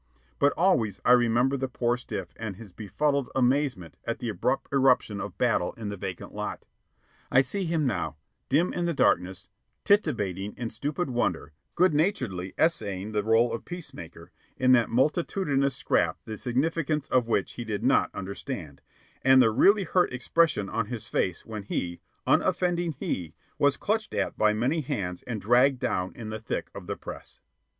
But always I remember the poor stiff and his befuddled amazement at the abrupt eruption of battle in the vacant lot. I see him now, dim in the darkness, titubating in stupid wonder, good naturedly essaying the role of peacemaker in that multitudinous scrap the significance of which he did not understand, and the really hurt expression on his face when he, unoffending he, was clutched at by many hands and dragged down in the thick of the press.